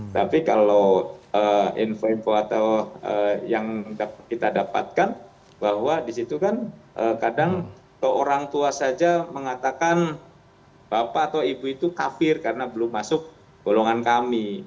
tapi kalau info info atau yang kita dapatkan bahwa di situ kan kadang ke orang tua saja mengatakan bapak atau ibu itu kafir karena belum masuk golongan kami